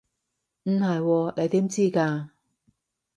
唔係喎，你點知㗎？